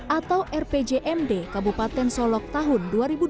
atau rpjmd kabupaten solok tahun dua ribu dua puluh satu dua ribu dua puluh enam